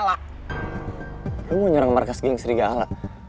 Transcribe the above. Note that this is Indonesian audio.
aku mau nyerang markas geng serigala